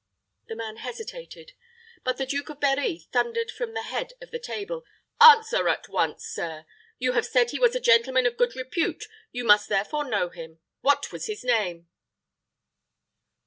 The man hesitated; but the Duke of Berri thundered from the head of the table, "Answer at once, sir. You have said he was a gentleman of good repute; you must therefore know him. What was his name?"